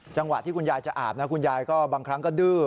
จังหวะที่คุณยายจะอาบนะคุณยายก็บางครั้งก็ดื้อ